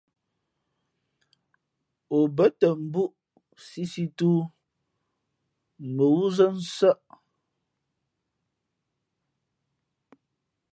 O bα̌tα mbūʼ sīsī tōō mα wúzά nsάʼ.